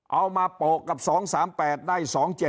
เอามาโปกกับ๒๓๘ได้๒๗๘